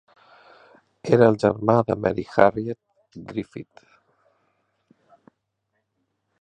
Era el germà de Mary Harriett Griffith.